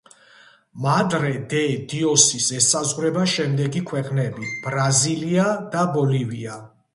მადრე-დე-დიოსის ესაზღვრება შემდეგი ქვეყნები: ბრაზილია და ბოლივია.